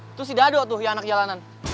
itu si dado tuh ya anak jalanan